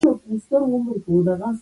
يواځې غيرت مهمه نه ده، عقل يې هم ويلی.